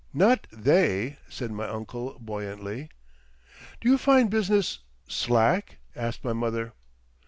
"Not they," said my uncle, buoyantly. "Do you find business—slack?" asked my mother.